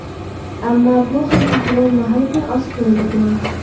ئەمما بۇ خىل ئەھۋال ناھايىتى ئاز كۆرۈلىدۇ.